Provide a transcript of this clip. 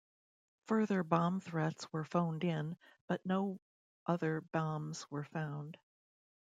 Further bomb threats were phoned in, but no other bombs were found.